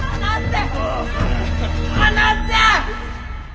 離せ！